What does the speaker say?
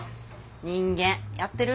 人間やってる？